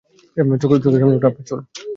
চোখের সামনে ওটা আপনার চুল।